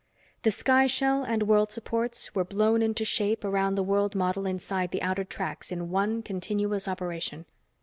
The sky shell and world supports were blown into shape around the world model inside the outer tracks in one continuous operation.